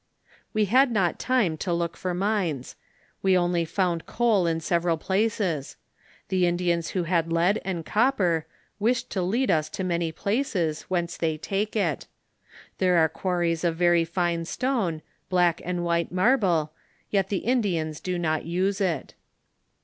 We had not time to look for mines ; we only found coal in several places ; the Indians who had lead and copper wished to lead us to many places, whence they take it ; there are quarries of very fine stone, white and black marble, yet the Indians do net use it.